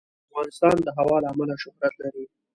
افغانستان د هوا له امله شهرت لري.